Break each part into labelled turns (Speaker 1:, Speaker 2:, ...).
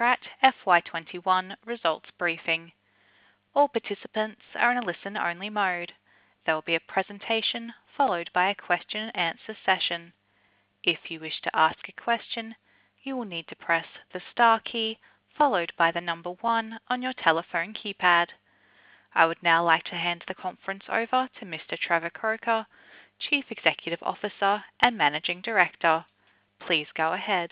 Speaker 1: FY 2021 results briefing. All participants are in a listen-only mode. There will be a presentation followed by a question and answer session. If you wish to ask a question, you will need to press the star key followed by the number 1 on your telephone keypad. I would now like to hand the conference over to Mr. Trevor Croker, Chief Executive Officer and Managing Director. Please go ahead.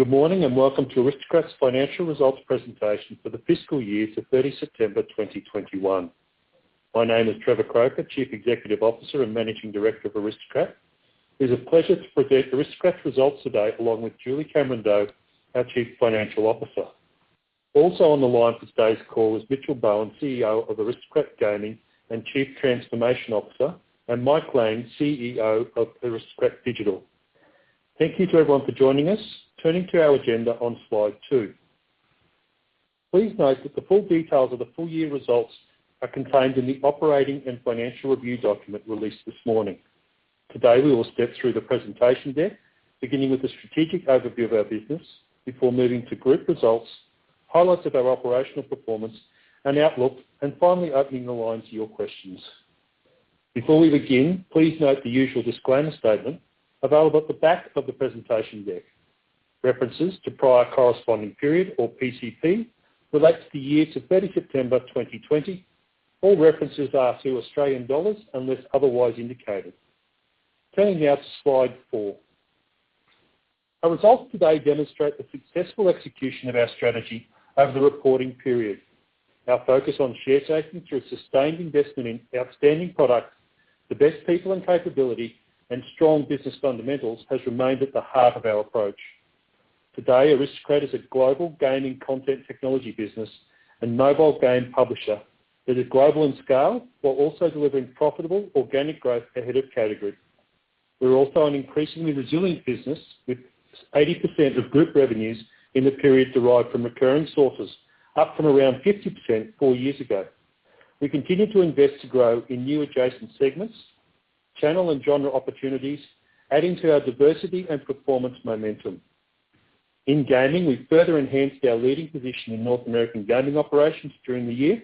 Speaker 2: Good morning, and welcome to Aristocrat's financial results presentation for the fiscal year to 30 September 2021. My name is Trevor Croker, Chief Executive Officer and Managing Director of Aristocrat. It is a pleasure to present Aristocrat's results today, along with Julie Cameron-Doe, our Chief Financial Officer. Also on the line for today's call is Mitchell Bowen, CEO of Aristocrat Gaming and Chief Transformation Officer, and Mike Lang, CEO of Aristocrat Digital. Thank you to everyone for joining us. Turning to our agenda on slide two. Please note that the full details of the full-year results are contained in the operating and financial review document released this morning. Today, we will step through the presentation deck, beginning with a strategic overview of our business before moving to group results, highlights of our operational performance and outlook, and finally opening the line to your questions. Before we begin, please note the usual disclaimer statement available at the back of the presentation deck. References to prior corresponding period or PCP relates to the year to 30 September 2020. All references are to Australian dollars unless otherwise indicated. Turning now to slide four. Our results today demonstrate the successful execution of our strategy over the reporting period. Our focus on share taking through a sustained investment in outstanding products, the best people and capability, and strong business fundamentals has remained at the heart of our approach. Today, Aristocrat is a global gaming content technology business and mobile game publisher that is global in scale while also delivering profitable organic growth ahead of category. We're also an increasingly resilient business, with 80% of group revenues in the period derived from recurring sources, up from around 50% four years ago. We continue to invest to grow in new adjacent segments, channel and genre opportunities, adding to our diversity and performance momentum. In gaming, we further enhanced our leading position in North American gaming operations during the year,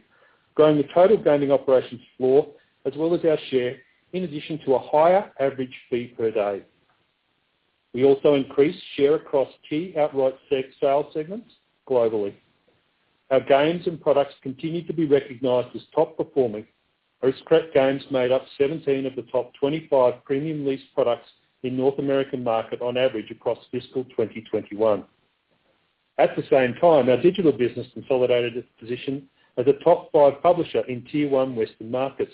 Speaker 2: growing the total gaming operations floor, as well as our share, in addition to a higher average fee per day. We also increased share across key outright sales segments globally. Our games and products continue to be recognized as top-performing. Aristocrat games made up 17 of the top 25 premium lease products in North American market on average across fiscal 2021. At the same time, our digital business consolidated its position as a top five publisher in tier one Western markets,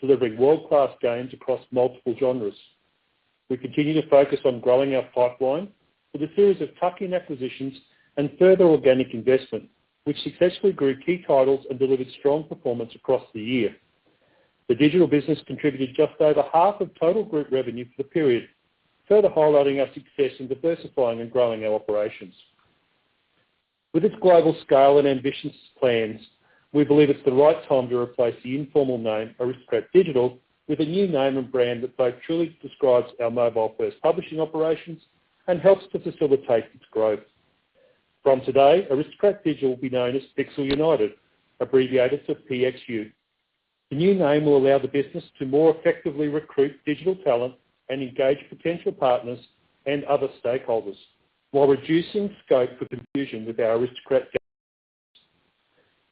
Speaker 2: delivering world-class games across multiple genres. We continue to focus on growing our pipeline with a series of tuck-in acquisitions and further organic investment, which successfully grew key titles and delivered strong performance across the year. The digital business contributed just over half of total group revenue for the period, further highlighting our success in diversifying and growing our operations. With its global scale and ambitious plans, we believe it's the right time to replace the informal name Aristocrat Digital with a new name and brand that both truly describes our mobile-first publishing operations and helps to facilitate its growth. From today, Aristocrat Digital will be known as Pixel United, abbreviated to PXU. The new name will allow the business to more effectively recruit digital talent and engage potential partners and other stakeholders while reducing scope for confusion with our Aristocrat games.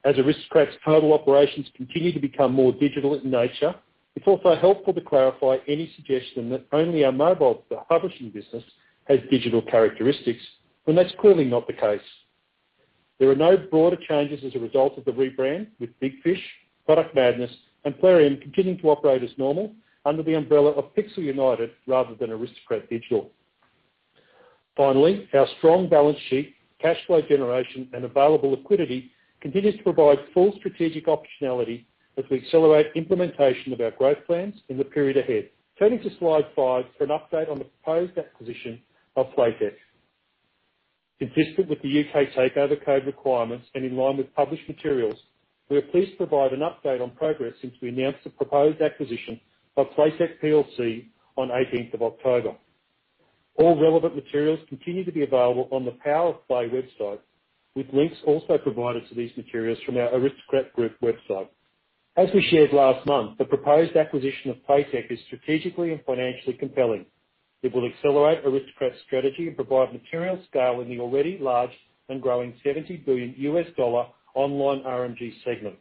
Speaker 2: As Aristocrat's total operations continue to become more digital in nature, it's also helpful to clarify any suggestion that only our mobile publishing business has digital characteristics when that's clearly not the case. There are no broader changes as a result of the rebrand, with Big Fish, Product Madness, and Plarium continuing to operate as normal under the umbrella of Pixel United rather than Aristocrat Digital. Finally, our strong balance sheet, cash flow generation, and available liquidity continues to provide full strategic optionality as we accelerate implementation of our growth plans in the period ahead. Turning to slide five for an update on the proposed acquisition of Playtech. Consistent with the UK Takeover Code requirements and in line with published materials, we are pleased to provide an update on progress since we announced the proposed acquisition of Playtech PLC on 18th of October. All relevant materials continue to be available on the Power of Play website, with links also provided to these materials from our Aristocrat Group website. As we shared last month, the proposed acquisition of Playtech is strategically and financially compelling. It will accelerate Aristocrat's strategy and provide material scale in the already large and growing $70 billion online RMG segment.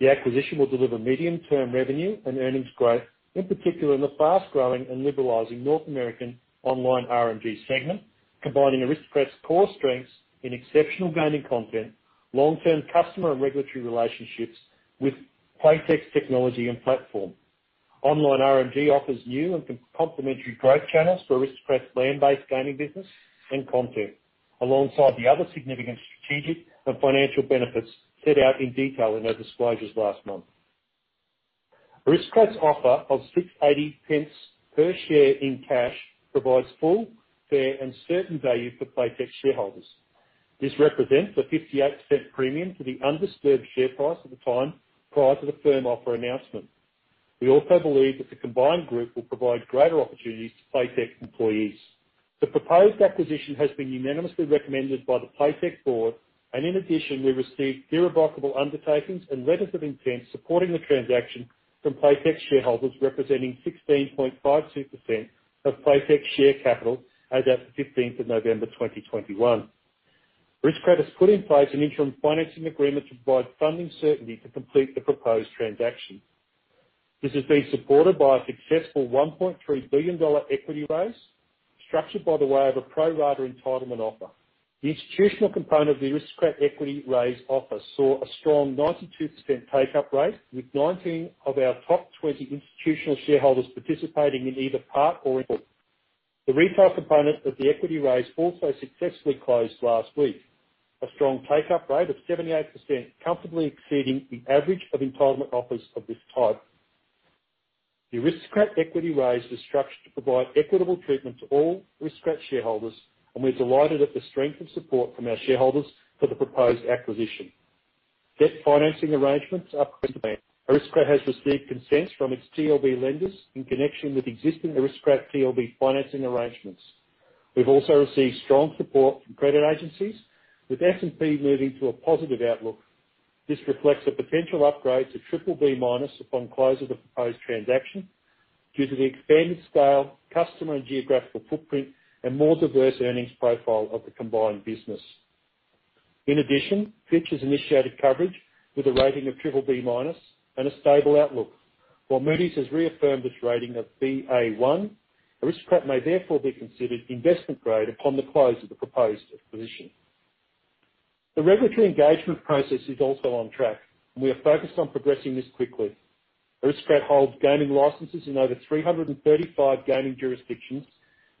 Speaker 2: The acquisition will deliver medium-term revenue and earnings growth, in particular in the fast-growing and liberalizing North American online RMG segment, combining Aristocrat's core strengths in exceptional gaming content, long-term customer and regulatory relationships with Playtech's technology and platform. Online RMG offers new and complementary growth channels for Aristocrat's land-based gaming business and content, alongside the other significant strategic and financial benefits set out in detail in our disclosures last month. Aristocrat's offer of 6.80 per share in cash provides full, fair, and certain value for Playtech shareholders. This represents a 58% premium to the undisturbed share price at the time prior to the firm offer announcement. We also believe that the combined group will provide greater opportunities to Playtech employees. The proposed acquisition has been unanimously recommended by the Playtech board, and in addition, we received irrevocable undertakings and letters of intent supporting the transaction from Playtech shareholders representing 16.52% of Playtech's share capital as at 15th of November 2021. Aristocrat has put in place an interim financing agreement to provide funding certainty to complete the proposed transaction. This has been supported by a successful $1.3 billion equity raise, structured by the way of a pro-rata entitlement offer. The institutional component of the Aristocrat equity raise offer saw a strong 92% take-up rate, with 19 of our top 20 institutional shareholders participating in either part or in full. The retail component of the equity raise also successfully closed last week, a strong take-up rate of 78%, comfortably exceeding the average of entitlement offers of this type. The Aristocrat equity raise is structured to provide equitable treatment to all Aristocrat shareholders, and we're delighted at the strength and support from our shareholders for the proposed acquisition. Debt financing arrangements are in place.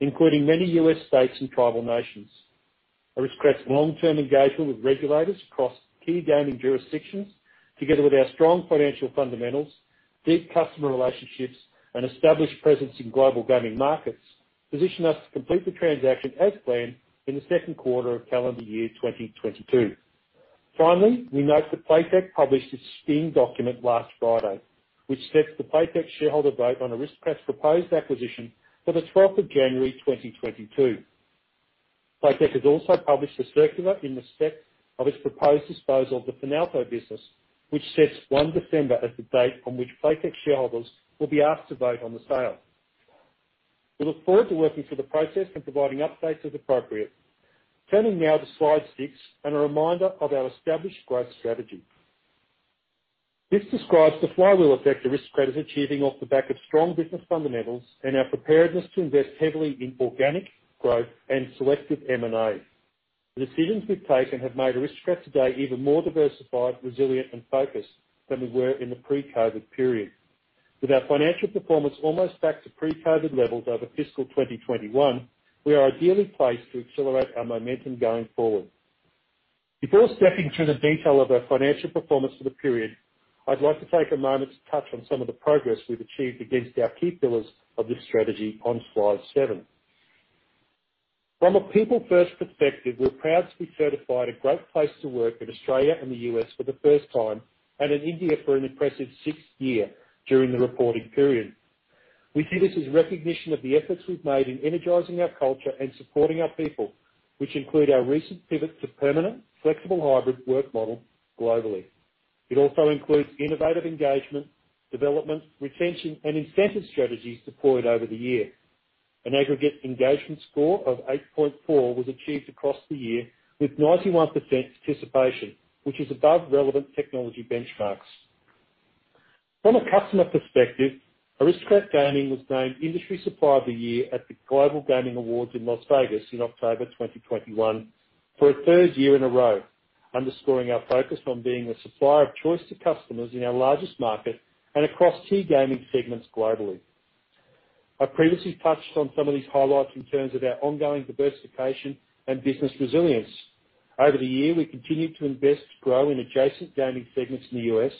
Speaker 2: Turning now to slide six, and a reminder of our established growth strategy. This describes the flywheel effect Aristocrat is achieving off the back of strong business fundamentals and our preparedness to invest heavily in organic growth and selective M&A. The decisions we've taken have made Aristocrat today even more diversified, resilient and focused than we were in the pre-COVID period. With our financial performance almost back to pre-COVID levels over fiscal 2021, we are ideally placed to accelerate our momentum going forward. Before stepping through the detail of our financial performance for the period, I'd like to take a moment to touch on some of the progress we've achieved against our key pillars of this strategy on slide seven. From a people first perspective, we're proud to be certified a great place to work in Australia and the U.S. for the first time, and in India for an impressive sixth year during the reporting period. We see this as recognition of the efforts we've made in energizing our culture and supporting our people, which include our recent pivot to permanent flexible hybrid work model globally. It also includes innovative engagement, development, retention and incentive strategies deployed over the year. An aggregate engagement score of 8.4 was achieved across the year, with 91% participation, which is above relevant technology benchmarks. From a customer perspective, Aristocrat Gaming was named Industry Supplier of the Year at the Global Gaming Awards in Las Vegas in October 2021 for a third year in a row, underscoring our focus on being the supplier of choice to customers in our largest market and across key gaming segments globally. I previously touched on some of these highlights in terms of our ongoing diversification and business resilience. Over the year, we continued to invest to grow in adjacent gaming segments in the U.S.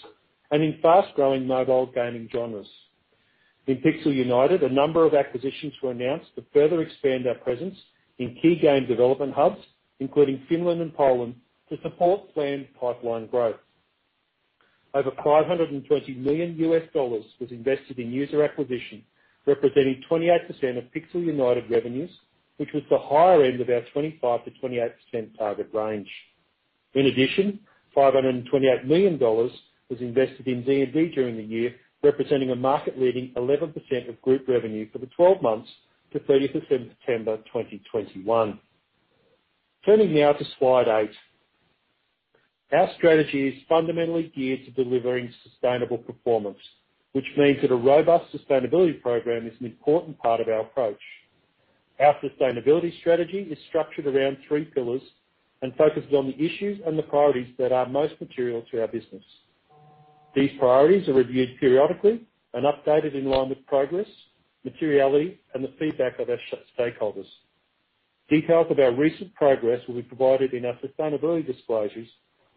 Speaker 2: and in fast-growing mobile gaming genres. In Pixel United, a number of acquisitions were announced to further expand our presence in key game development hubs, including Finland and Poland, to support planned pipeline growth. Over $520 million was invested in user acquisition, representing 28% of Pixel United revenues, which was the higher end of our 25%-28% target range. In addition, 528 million dollars was invested in R&D during the year, representing a market-leading 11% of group revenue for the 12 months to 30 September 2021. Turning now to slide eight. Our strategy is fundamentally geared to delivering sustainable performance, which means that a robust sustainability program is an important part of our approach. Our sustainability strategy is structured around three pillars and focuses on the issues and the priorities that are most material to our business. These priorities are reviewed periodically and updated in line with progress, materiality, and the feedback of our stakeholders. Details of our recent progress will be provided in our sustainability disclosures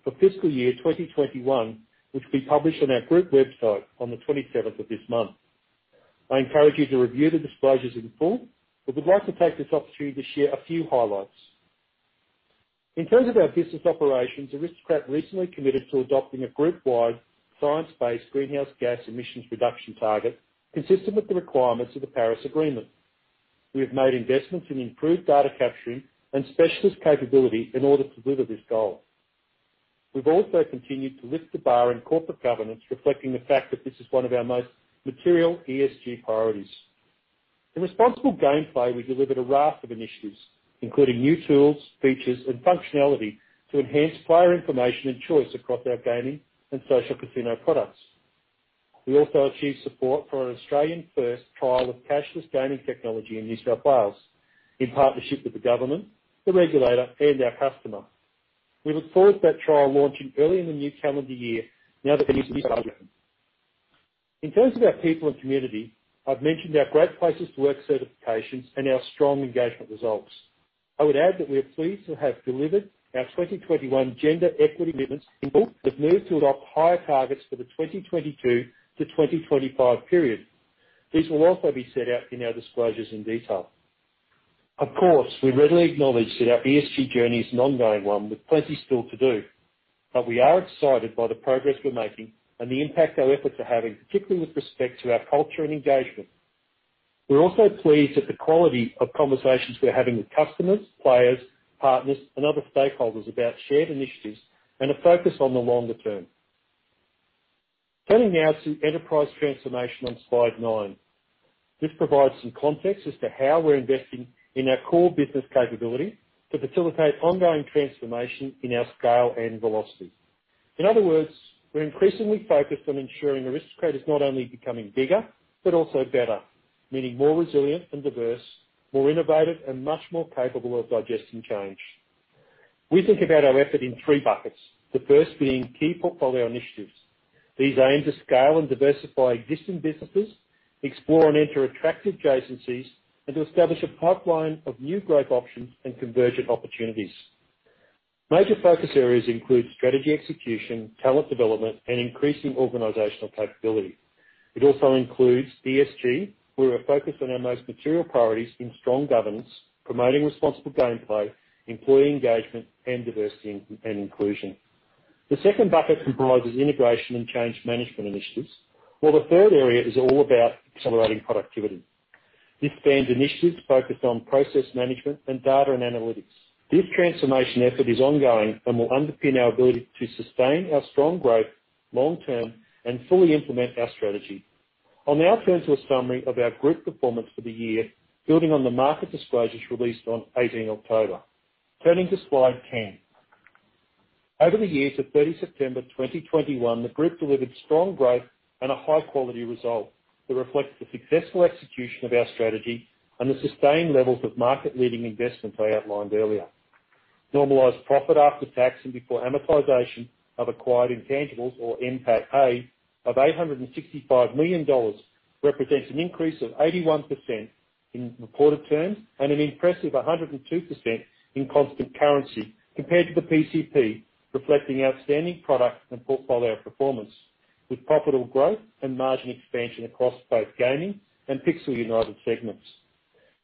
Speaker 2: for fiscal year 2021, which will be published on our group website on the 27th of this month. I encourage you to review the disclosures in full, but would like to take this opportunity to share a few highlights. In terms of our business operations, Aristocrat recently committed to adopting a group-wide science-based greenhouse gas emissions reduction target consistent with the requirements of the Paris Agreement. We have made investments in improved data capturing and specialist capability in order to deliver this goal. We've also continued to lift the bar in corporate governance, reflecting the fact that this is one of our most material ESG priorities. In responsible gameplay, we delivered a raft of initiatives, including new tools, features, and functionality to enhance player information and choice across our gaming and social casino products. We also achieved support for an Australian first trial of cashless gaming technology in New South Wales in partnership with the government, the regulator, and our customer. We look forward to that trial launching early in the new calendar year now that it is approved. In terms of our people and community, I've mentioned our Great Places to Work certifications and our strong engagement results. I would add that we are pleased to have delivered our 2021 gender equity commitments in full. We've moved to adopt higher targets for the 2022 to 2025 period. These will also be set out in our disclosures in detail. Of course, we readily acknowledge that our ESG journey is an ongoing one with plenty still to do, but we are excited by the progress we're making and the impact our efforts are having, particularly with respect to our culture and engagement. We're also pleased at the quality of conversations we're having with customers, players, partners, and other stakeholders about shared initiatives and a focus on the longer term. Turning now to enterprise transformation on slide nine. This provides some context as to how we're investing in our core business capability to facilitate ongoing transformation in our scale and velocity. In other words, we're increasingly focused on ensuring Aristocrat is not only becoming bigger but also better, meaning more resilient and diverse, more innovative, and much more capable of digesting change. We think about our effort in three buckets. The first being key portfolio initiatives. These aim to scale and diversify existing businesses, explore and enter attractive adjacencies, and to establish a pipeline of new growth options and convergent opportunities. Major focus areas include strategy execution, talent development, and increasing organizational capability. It also includes ESG, where we're focused on our most material priorities in strong governance, promoting responsible gameplay, employee engagement, and diversity and inclusion. The second bucket comprises integration and change management initiatives, while the third area is all about accelerating productivity. This spans initiatives focused on process management and data and analytics. This transformation effort is ongoing and will underpin our ability to sustain our strong growth long term and fully implement our strategy. I'll now turn to a summary of our group performance for the year, building on the market disclosures released on 18 October. Turning to slide 10. For the year ended 30 September 2021, the group delivered strong growth and a high-quality result that reflects the successful execution of our strategy and the sustained levels of market-leading investment I outlined earlier. Normalized profit after tax and before amortization of acquired intangibles or NPATA of 865 million dollars represents an increase of 81% in reported terms and an impressive 102% in constant currency compared to the PCP, reflecting outstanding product and portfolio performance, with profitable growth and margin expansion across both Gaming and Pixel United segments.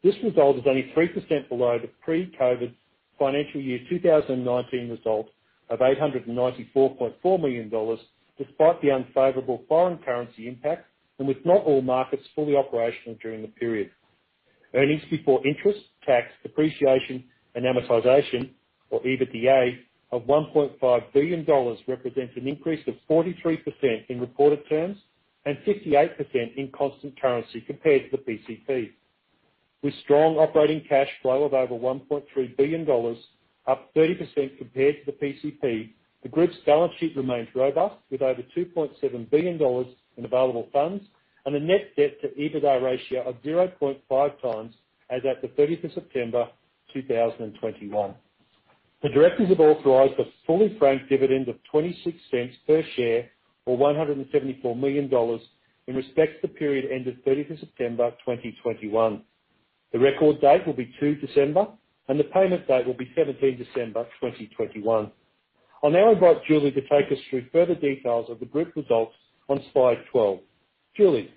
Speaker 2: This result is only 3% below the pre-COVID financial year 2019 result of AUD 894.4 million, despite the unfavorable foreign currency impact and with not all markets fully operational during the period. EBITDA of 1.5 billion dollars represents an increase of 43% in reported terms and 58% in constant currency compared to the PCP. With strong operating cash flow of over AUD 1.3 billion, up 30% compared to the PCP, the group's balance sheet remains robust, with over 2.7 billion dollars in available funds and a net debt to EBITDA ratio of 0.5x as at 30 September 2021. The directors have authorized a fully franked dividend of 0.26 per share, or 174 million dollars, in respect to the period ended 30 September 2021. The record date will be 2 December, and the payment date will be 17 December 2021. I'll now invite Julie to take us through further details of the group results on slide 12. Julie?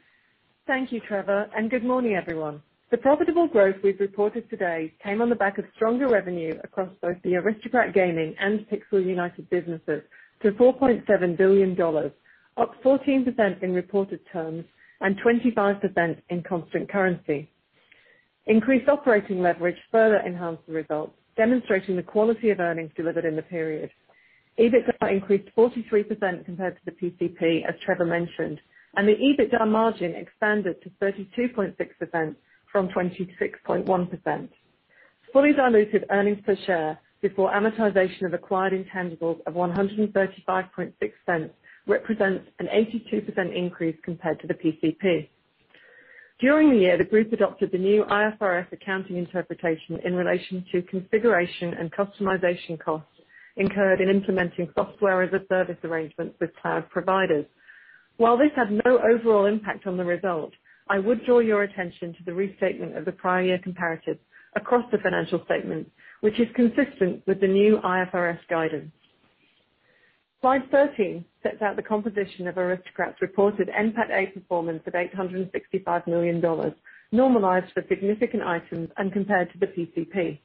Speaker 3: Thank you, Trevor, and good morning, everyone. The profitable growth we've reported today came on the back of stronger revenue across both the Aristocrat Gaming and Pixel United businesses to 4.7 billion dollars, up 14% in reported terms and 25% in constant currency. Increased operating leverage further enhanced the results, demonstrating the quality of earnings delivered in the period. EBITDA increased 43% compared to the PCP, as Trevor mentioned, and the EBITDA margin expanded to 32.6% from 26.1%. Fully diluted earnings per share before amortization of acquired intangibles of 1.356 represents an 82% increase compared to the PCP. During the year, the group adopted the new IFRS accounting interpretation in relation to configuration and customization costs incurred in implementing software-as-a-service arrangements with cloud providers. While this had no overall impact on the result, I would draw your attention to the restatement of the prior year comparative across the financial statement, which is consistent with the new IFRS guidance. Slide 13 sets out the composition of Aristocrat's reported NPATA performance of 865 million dollars, normalized for significant items and compared to the PCP.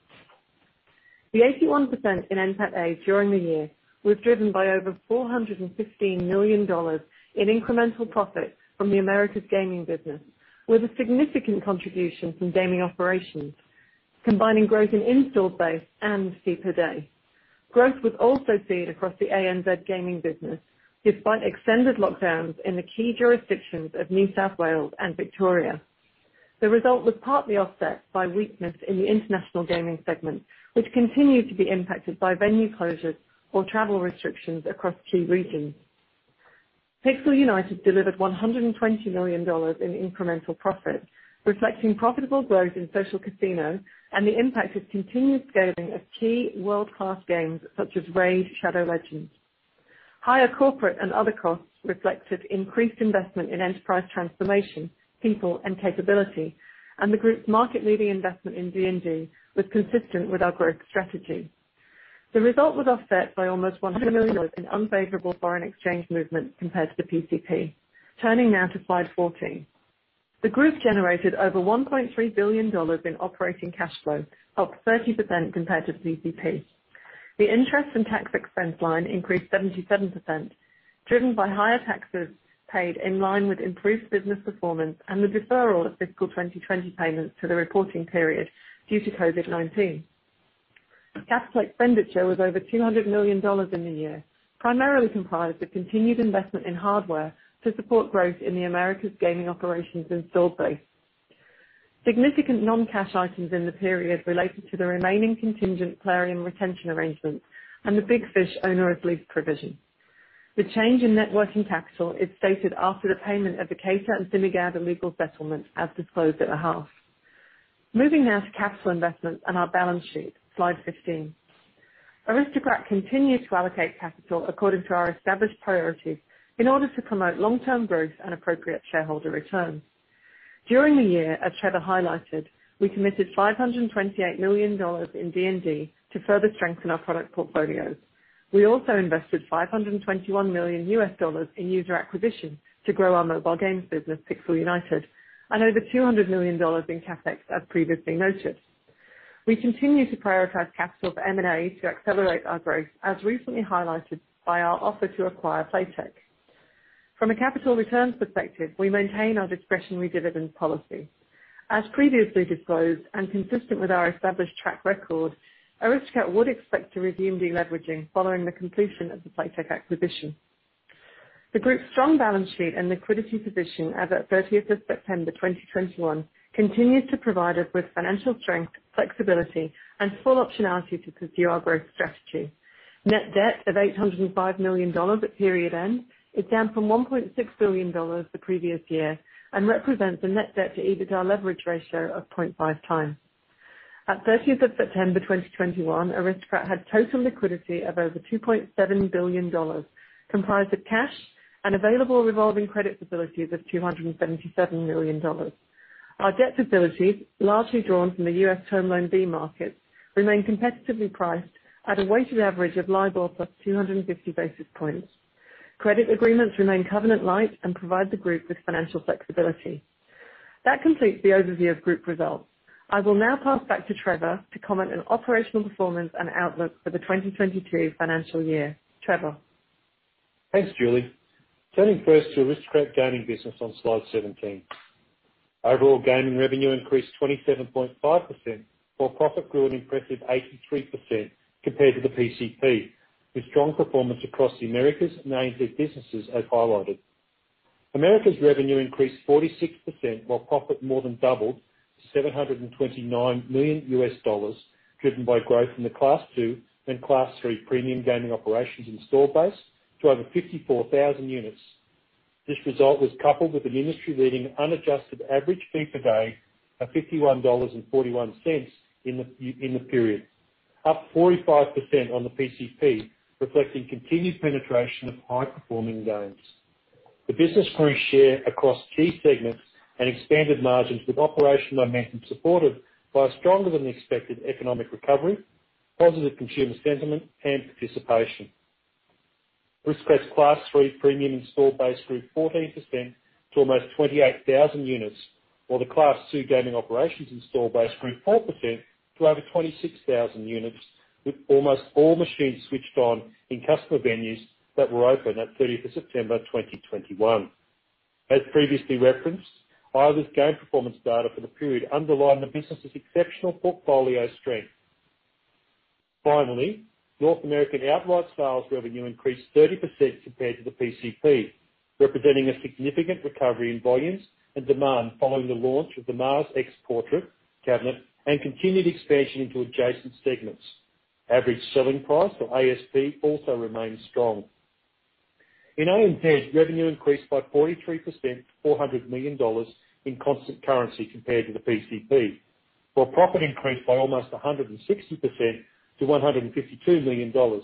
Speaker 3: The 81% in NPATA during the year was driven by over 415 million dollars in incremental profit from the Americas gaming business, with a significant contribution from gaming operations, combining growth in install base and fee per day. Growth was also seen across the ANZ gaming business, despite extended lockdowns in the key jurisdictions of New South Wales and Victoria. The result was partly offset by weakness in the international gaming segment, which continued to be impacted by venue closures or travel restrictions across key regions. Pixel United delivered 120 million dollars in incremental profit, reflecting profitable growth in social casino and the impact of continued scaling of key world-class games such as RAID: Shadow Legends. Higher corporate and other costs reflected increased investment in enterprise transformation, people, and capability, and the group's market-leading investment in R&D was consistent with our growth strategy. The result was offset by almost 100 million in unfavorable foreign exchange movement compared to the PCP. Turning now to slide 14. The group generated over 1.3 billion dollars in operating cash flow, up 30% compared to PCP. The interest and tax expense line increased 77%, driven by higher taxes paid in line with improved business performance and the deferral of fiscal 2020 payments to the reporting period due to COVID-19. CapEx expenditure was over 200 million dollars in the year, primarily comprised of continued investment in hardware to support growth in the Americas gaming operations installed base. Significant non-cash items in the period related to the remaining contingent Clarion retention arrangements and the Big Fish onerous lease provision. The change in net working capital is stated after the payment of the Kater and Thimmegowda legal settlement, as disclosed at the half. Moving now to capital investments and our balance sheet. Slide 15. Aristocrat continued to allocate capital according to our established priorities in order to promote long-term growth and appropriate shareholder returns. During the year, as Trevor highlighted, we committed 528 million dollars in D&D to further strengthen our product portfolios. We also invested $521 million in user acquisition to grow our mobile games business, Pixel United, and over 200 million dollars in CapEx, as previously noted. We continue to prioritize capital for M&A to accelerate our growth, as recently highlighted by our offer to acquire Playtech. From a capital returns perspective, we maintain our discretionary dividend policy. As previously disclosed and consistent with our established track record, Aristocrat would expect to resume de-leveraging following the completion of the Playtech acquisition. The group's strong balance sheet and liquidity position as at 30th of September 2021 continues to provide us with financial strength, flexibility, and full optionality to pursue our growth strategy. Net debt of 805 million dollars at period end is down from 1.6 billion dollars the previous year and represents a net debt-to-EBITDA leverage ratio of 0.5x. At 30 September 2021, Aristocrat had total liquidity of over 2.7 billion dollars, comprised of cash and available revolving credit facilities of 277 million dollars. Our debt facilities, largely drawn from the U.S. Term Loan B market, remain competitively priced at a weighted average of LIBOR plus 250 basis points. Credit agreements remain covenant light and provide the group with financial flexibility. That completes the overview of group results. I will now pass back to Trevor to comment on operational performance and outlook for the 2022 financial year. Trevor?
Speaker 2: Thanks, Julie. Turning first to Aristocrat Gaming business on slide 17. Overall gaming revenue increased 27.5%, while profit grew an impressive 83% compared to the PCP, with strong performance across the Americas and ANZ businesses as highlighted. Americas revenue increased 46%, while profit more than doubled to $729 million, driven by growth in the Class II and Class III premium gaming operations installed base to over 54,000 units. This result was coupled with an industry-leading unadjusted average fee per day of 51.41 dollars in the period, up 45% on the PCP, reflecting continued penetration of high-performing games. The business grew share across key segments and expanded margins, with operational momentum supported by a stronger than expected economic recovery, positive consumer sentiment, and participation. Aristocrat's Class III premium installed base grew 14% to almost 28,000 units, while the Class II gaming operations installed base grew 4% to over 26,000 units, with almost all machines switched on in customer venues that were open at 30th of September 2021. As previously referenced, IVS game performance data for the period underline the business's exceptional portfolio strength. North American outlet sales revenue increased 30% compared to the PCP, representing a significant recovery in volumes and demand following the launch of the MarsX Portrait cabinet and continued expansion into adjacent segments. Average selling price, or ASP, also remains strong. In ANZ, revenue increased by 43% to 400 million dollars in constant currency compared to the PCP, while profit increased by almost 160% to 152 million dollars.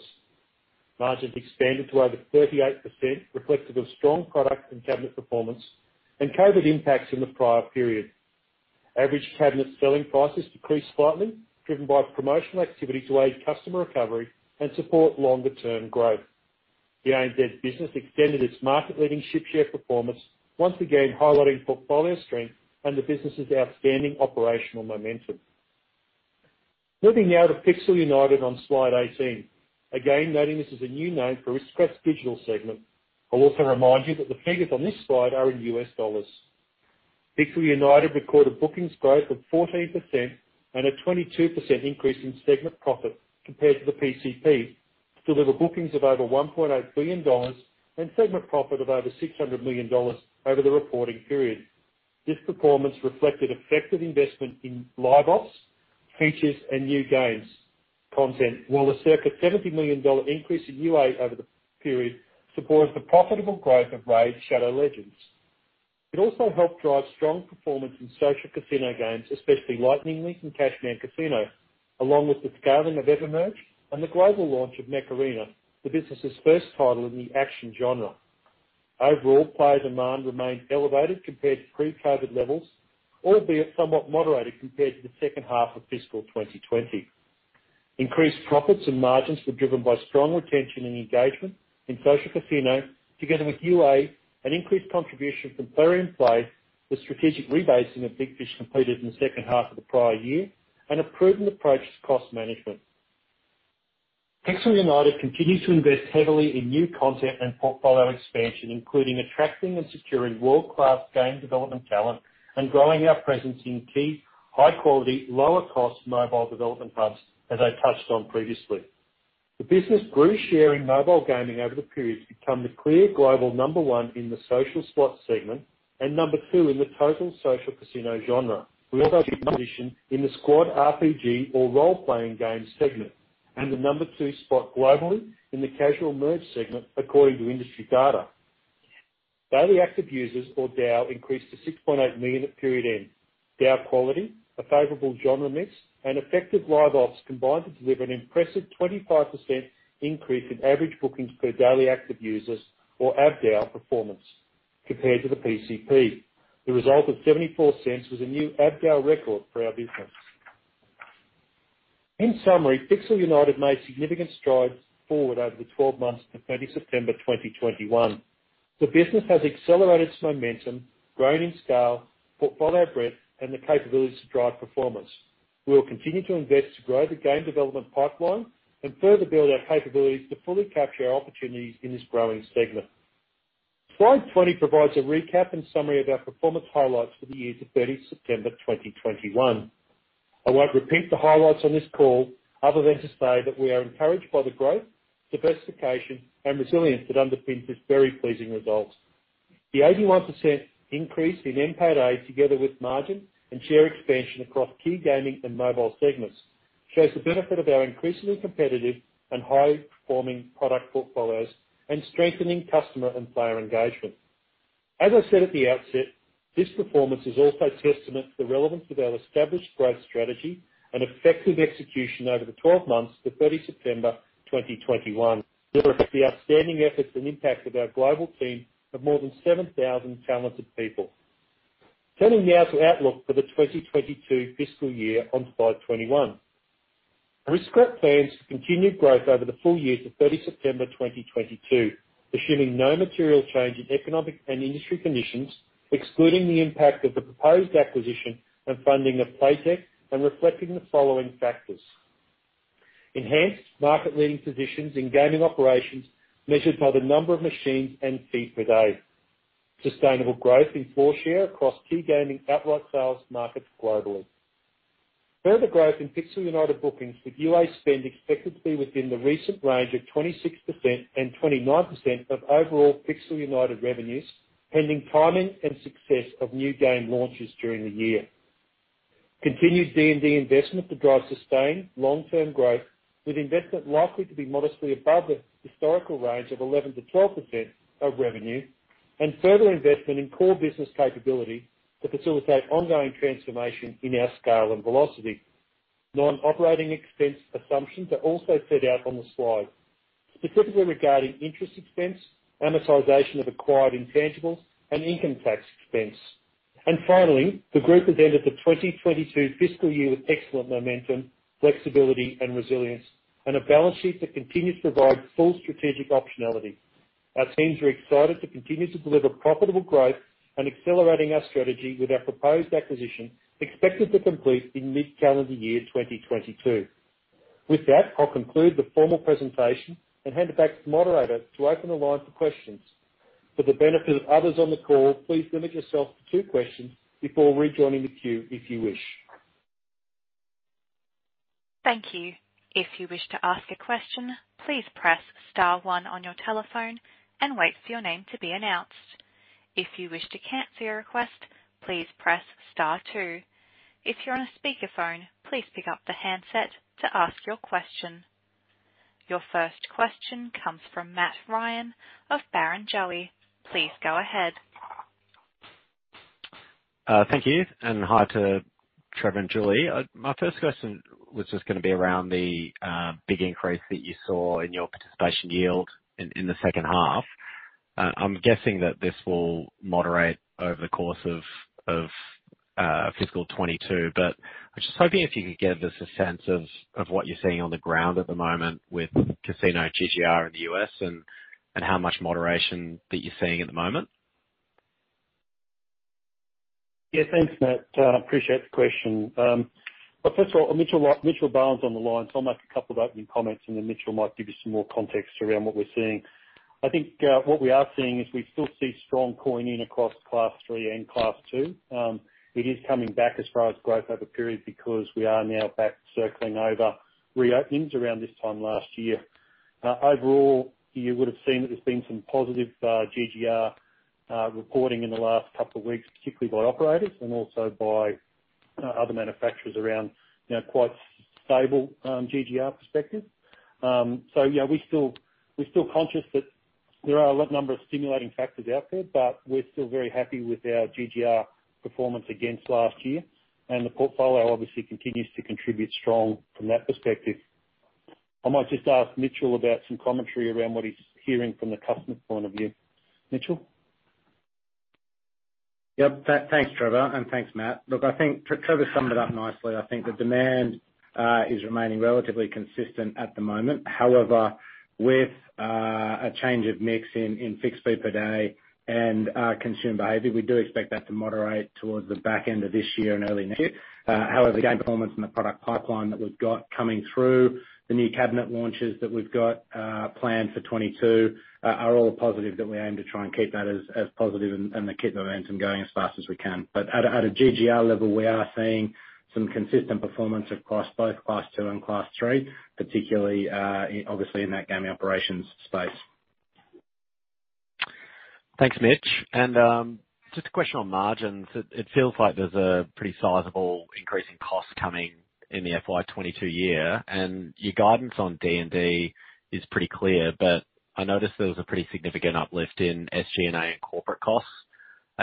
Speaker 2: Margins expanded to over 38%, reflective of strong product and cabinet performance and COVID impacts in the prior period. Average cabinet selling prices decreased slightly, driven by promotional activity to aid customer recovery and support longer term growth. The ANZ business extended its market-leading ship share performance, once again highlighting portfolio strength and the business's outstanding operational momentum. Moving now to Pixel United on slide 18. Again, noting this is a new name for Aristocrat's digital segment. I'll also remind you that the figures on this slide are in U.S. dollars. Pixel United recorded bookings growth of 14% and a 22% increase in segment profit compared to the PCP to deliver bookings of over $1.8 billion and segment profit of over $600 million over the reporting period. This performance reflected effective investment in live ops, features, and new games content, while the circa $70 million increase in UA over the period supports the profitable growth of RAID: Shadow Legends. It also helped drive strong performance in social casino games, especially Lightning Link and Cashman Casino, along with the scaling of EverMerge and the global launch of Mech Arena, the business's first title in the action genre. Overall, player demand remained elevated compared to pre-COVID levels, albeit somewhat moderated compared to the second half of fiscal 2020. Increased profits and margins were driven by strong retention and engagement in social casino, together with UA and increased contribution from player in play, with strategic rebasing of Big Fish completed in the second half of the prior year and a prudent approach to cost management. Pixel United continues to invest heavily in new content and portfolio expansion, including attracting and securing world-class game development talent and growing our presence in key high-quality, lower-cost mobile development hubs, as I touched on previously. The business grew share in mobile gaming over the period to become the clear global number one in the social slot segment and number two in the total social casino genre. We also position in the squad RPG or role-playing game segment and the number two spot globally in the casual merge segment, according to industry data. Daily active users, or DAU, increased to 6.8 million at period end. DAU quality, a favorable genre mix, and effective live ops combined to deliver an impressive 25% increase in average bookings per daily active users, or ABPDAU performance compared to the PCP. The result of $0.74 was a new ABPDAU record for our business. In summary, Pixel United made significant strides forward over the 12 months to 30 September 2021. The business has accelerated its momentum, grown in scale, portfolio breadth, and the capabilities to drive performance. We will continue to invest to grow the game development pipeline and further build our capabilities to fully capture our opportunities in this growing segment. Slide 20 provides a recap and summary of our performance highlights for the year to 30 September 2021. I won't repeat the highlights on this call other than to say that we are encouraged by the growth, diversification, and resilience that underpins this very pleasing results. The 81% increase in NPATA, together with margin and share expansion across key gaming and mobile segments, shows the benefit of our increasingly competitive and highly performing product portfolios and strengthening customer and player engagement. As I said at the outset, this performance is also testament to the relevance of our established growth strategy and effective execution over the 12 months to 30 September 2021, therefore, the outstanding efforts and impact of our global team of more than 7,000 talented people. Turning now to outlook for the 2022 fiscal year on slide 21. Aristocrat plans for continued growth over the full year to 30 September 2022, assuming no material change in economic and industry conditions, excluding the impact of the proposed acquisition and funding of Playtech and reflecting the following factors. Enhanced market-leading positions in gaming operations measured by the number of machines and fee per day. Sustainable growth in floor share across key gaming outright sales markets globally. Further growth in Pixel United bookings, with UA spend expected to be within the recent range of 26% and 29% of overall Pixel United revenues, pending timing and success of new game launches during the year. Continued D&D investment to drive sustained long-term growth, with investment likely to be modestly above the historical range of 11%-12% of revenue and further investment in core business capability to facilitate ongoing transformation in our scale and velocity. Non-operating expense assumptions are also set out on the slide, specifically regarding interest expense, amortization of acquired intangibles, and income tax expense. Finally, the group has ended the 2022 fiscal year with excellent momentum, flexibility, and resilience, and a balance sheet that continues to provide full strategic optionality. Our teams are excited to continue to deliver profitable growth and accelerating our strategy with our proposed acquisition, expected to complete in mid-calendar year 2022. With that, I'll conclude the formal presentation and hand it back to the moderator to open the line for questions. For the benefit of others on the call, please limit yourself to two questions before rejoining the queue if you wish.
Speaker 1: Thank you. If you wish to ask a question, please press star one on your telephone and wait for your name to be announced. If you wish to cancel your request, please press star two. If you're on a speakerphone, please pick up the handset to ask your question. Your first question comes from Matt Ryan of Barrenjoey. Please go ahead.
Speaker 4: Thank you, and hi to Trevor and Julie. My first question was just gonna be around the big increase that you saw in your participation yield in the second half. I'm guessing that this will moderate over the course of fiscal 2022, but I'm just hoping if you could give us a sense of what you're seeing on the ground at the moment with casino GGR in the U.S. and how much moderation that you're seeing at the moment.
Speaker 2: Yeah, thanks, Matt. Appreciate the question. First of all, Mitchell Bowen on the line. I'll make a couple of opening comments, then Mitchell might give you some more context around what we're seeing. I think what we are seeing is we still see strong coin-in across Class III and Class II. It is coming back as far as growth over period because we are now back circling over reopenings around this time last year. Overall you would've seen that there's been some positive GGR reporting in the last couple of weeks, particularly by operators and also by other manufacturers around, you know, quite stable GGR perspectives. Yeah, we're still conscious that there are a number of stimulating factors out there, but we're still very happy with our GGR performance against last year. The portfolio obviously continues to contribute strong from that perspective. I might just ask Mitchell about some commentary around what he's hearing from the customer point of view. Mitchell?
Speaker 5: Yep. Thanks, Trevor, and thanks, Matt. Look, I think Trevor summed it up nicely. I think the demand is remaining relatively consistent at the moment. However, with a change of mix in fixed fee per day and consumer behavior, we do expect that to moderate towards the back end of this year and early next year. However, game performance and the product pipeline that we've got coming through, the new cabinet launches that we've got planned for 2022, are all positive that we aim to try and keep that as positive and the momentum going as fast as we can. But at a GGR level, we are seeing some consistent performance across both Class II and Class III, particularly obviously in that gaming operations space.
Speaker 4: Thanks, Mitch. Just a question on margins. It feels like there's a pretty sizable increase in costs coming in the FY 2022 year, and your guidance on D&D is pretty clear, but I noticed there was a pretty significant uplift in SG&A and corporate costs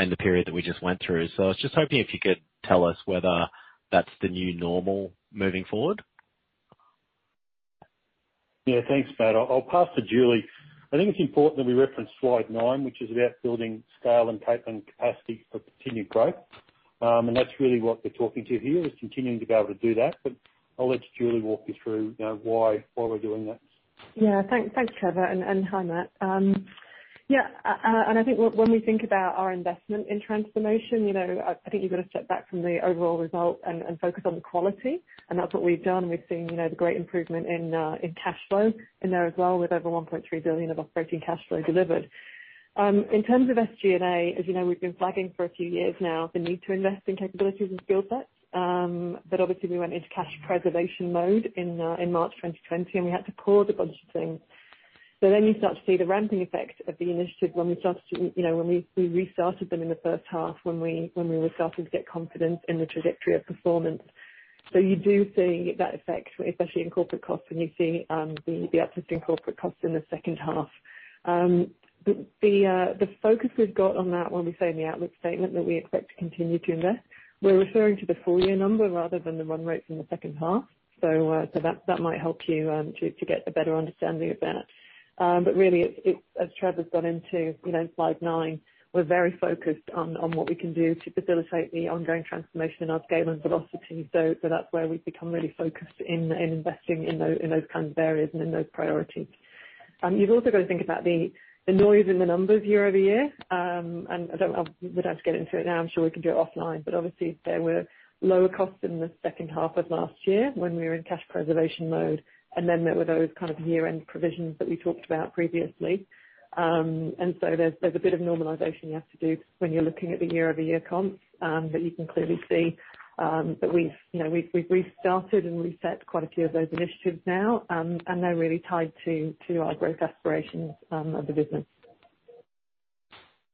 Speaker 4: in the period that we just went through. I was just hoping if you could tell us whether that's the new normal moving forward.
Speaker 2: Yeah, thanks, Matt. I'll pass to Julie. I think it's important that we reference slide nine, which is about building scale and capability and capacity for continued growth. That's really what we're talking to here, is continuing to be able to do that. But I'll let Julie walk you through, you know, why we're doing that.
Speaker 3: Yeah. Thanks, Trevor, and hi, Matt. Yeah, and I think when we think about our investment in transformation, you know, I think you've got to step back from the overall result and focus on the quality, and that's what we've done. We've seen, you know, the great improvement in cash flow in there as well, with over 1.3 billion of operating cash flow delivered. In terms of SG&A, as you know, we've been flagging for a few years now the need to invest in capabilities and skill sets. But obviously we went into cash preservation mode in March 2020, and we had to pause a bunch of things. You start to see the ramping effect of the initiative when we restarted them in the first half, when we were starting to get confidence in the trajectory of performance. You do see that effect, especially in corporate costs, when you see the uplift in corporate costs in the second half. The focus we've got on that when we say in the outlook statement that we expect to continue to invest, we're referring to the full year number rather than the run rate from the second half. That might help you to get a better understanding of that. Really it's, as Trevor's gone into, you know, slide nine, we're very focused on what we can do to facilitate the ongoing transformation in our scale and velocity. That's where we've become really focused in investing in those kinds of areas and in those priorities. You've also got to think about the noise in the numbers year-over-year. I would have to get into it now. I'm sure we can do it offline, but obviously there were lower costs in the second half of last year when we were in cash preservation mode. Then there were those kind year-end provisions that we talked about previously. There's a bit of normalization you have to do when you're looking at the year-over-year comps, but you can clearly see that we've, you know, restarted and reset quite a few of those initiatives now. They're really tied to our growth aspirations of the business.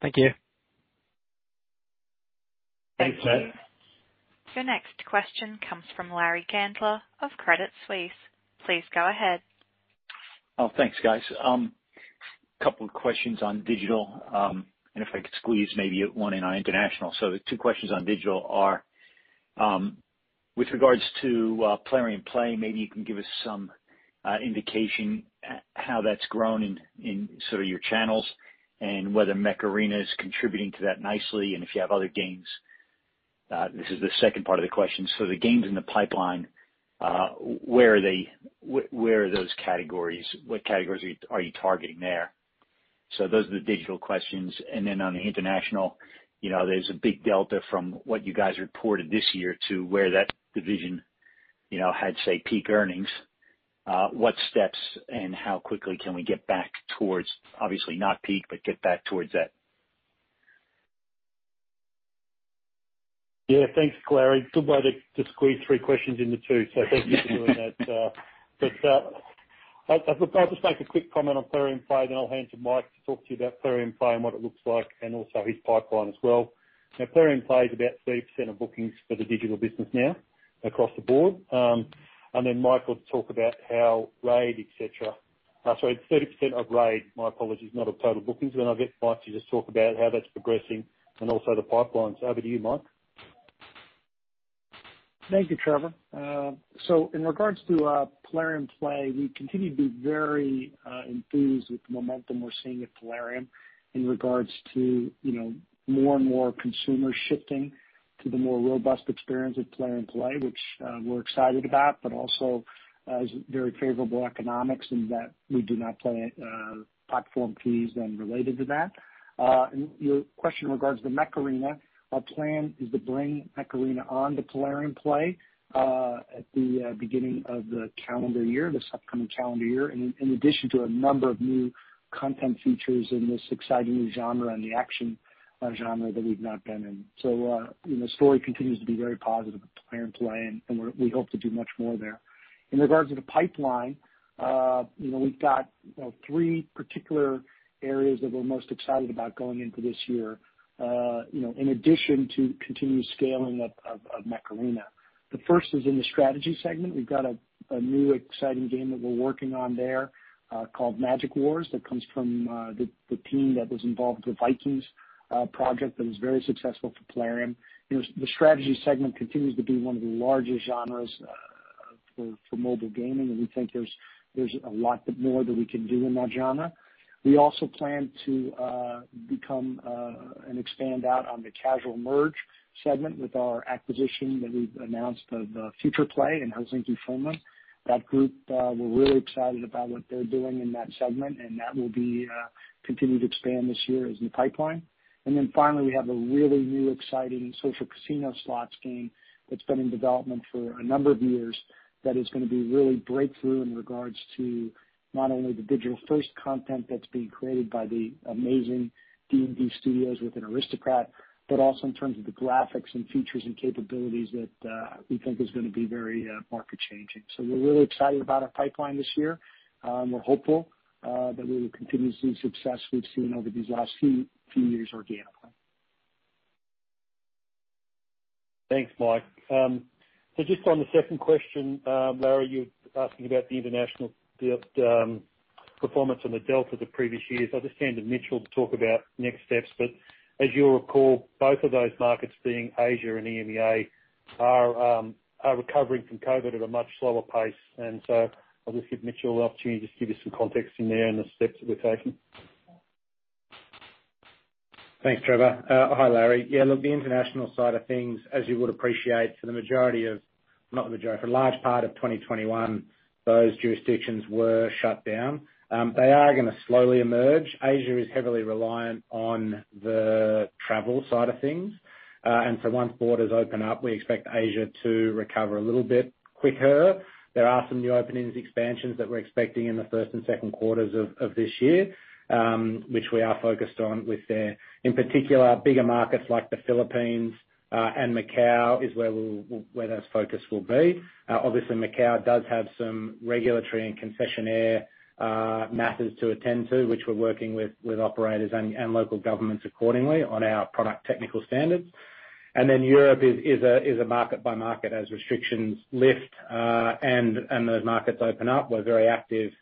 Speaker 4: Thank you.
Speaker 2: Thanks, Matt.
Speaker 1: Your next question comes from Larry Gandler of Credit Suisse. Please go ahead.
Speaker 6: Oh, thanks, guys. A couple of questions on digital, and if I could squeeze maybe one in on international. The two questions on digital are, with regards to Plarium Play, maybe you can give us some indication how that's grown in sort of your channels and whether Mech Arena is contributing to that nicely, and if you have other games. This is the second part of the question. The games in the pipeline, where are they? Where are those categories? What categories are you targeting there? Those are the digital questions. Then on the international, you know, there's a big delta from what you guys reported this year to where that division, you know, had, say, peak earnings. What steps and how quickly can we get back towards, obviously not peak, but get back towards that?
Speaker 2: Yeah. Thanks, Larry. Good way to squeeze three questions into two. Thank you for doing that. Look, I'll just make a quick comment on Plarium Play, then I'll hand to Mike to talk to you about Plarium Play and what it looks like and also his pipeline as well. You know, Plarium Play is about 30% of bookings for the digital business now across the board. Then Mike will talk about how RAID, et cetera. Sorry, 30% of RAID, my apologies, not of total bookings. Then I'll get Mike to just talk about how that's progressing and also the pipelines. Over to you, Mike.
Speaker 7: Thank you, Trevor. In regards to Plarium Play, we continue to be very enthused with the momentum we're seeing at Plarium in regards to, you know, more and more consumers shifting to the more robust experience at Plarium Play, which we're excited about, but also has very favorable economics in that we do not pay platform fees then related to that. Your question in regards to Mech Arena, our plan is to bring Mech Arena on to Plarium Play at the beginning of the calendar year, this upcoming calendar year, in addition to a number of new content features in this exciting new genre and the action genre that we've not been in. You know, the story continues to be very positive at Plarium Play, and we hope to do much more there. In regards to the pipeline, you know, we've got, you know, three particular areas that we're most excited about going into this year, in addition to continued scaling up of Mech Arena. The first is in the strategy segment. We've got a new exciting game that we're working on there, called Magic Wars that comes from the team that was involved with Vikings project that was very successful for Plarium. You know, the strategy segment continues to be one of the largest genres for mobile gaming, and we think there's a lot more that we can do in that genre. We also plan to become and expand out on the casual merge segment with our acquisition that we've announced of Futureplay in Helsinki, Finland. That group, we're really excited about what they're doing in that segment, and that will continue to expand this year as new pipeline. Then finally, we have a really new exciting social casino slots game that's been in development for a number of years that is gonna be really breakthrough in regards to not only the digital-first content that's being created by the amazing D&D studios within Aristocrat, but also in terms of the graphics and features and capabilities that we think is gonna be very market changing. We're really excited about our pipeline this year. We're hopeful that we will continue to see success we've seen over these last few years organically.
Speaker 2: Thanks, Mike. So just on the second question, Larry, you're asking about the international performance on the Delta the previous years. I'll just hand to Mitchell to talk about next steps. But as you'll recall, both of those markets being Asia and EMEA are recovering from COVID at a much slower pace. I'll just give Mitchell the opportunity to just give you some context in there and the steps that we're taking.
Speaker 5: Thanks, Trevor. Hi, Larry. Yeah, look, the international side of things, as you would appreciate, for a large part of 2021, those jurisdictions were shut down. They are gonna slowly emerge. Asia is heavily reliant on the travel side of things. And so once borders open up, we expect Asia to recover a little bit quicker. There are some new openings, expansions that we're expecting in the first and second quarters of this year, which we are focused on, in particular, bigger markets like the Philippines, and Macau is where that focus will be. Obviously Macau does have some regulatory and concessionaire matters to attend to, which we're working with operators and local governments accordingly on our product technical standards. Europe is a market by market as restrictions lift, and those markets open up. We're very active